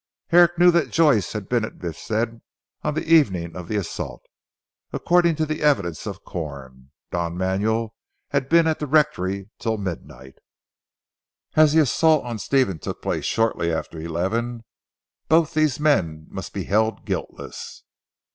Herrick knew that Joyce had been at Biffstead on the evening of the assault. According to the evidence of Corn, Don Manuel had been at the rectory till midnight. As the assault on Stephen took place shortly after eleven both these men must be held guiltless.